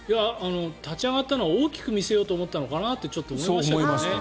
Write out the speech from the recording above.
立ち上がったのは大きく見せようと思ったのかなと思いましたけどね。